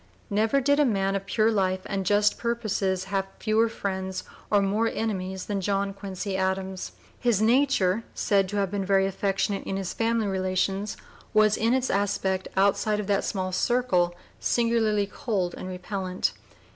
Never did a man of pure life and just purposes have fewer friends or more enemies than John Quincy Adams. His nature, said to have been very affectionate in his family relations, was in its aspect outside of that small circle singularly cold and repellent.